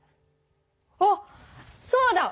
あっそうだ！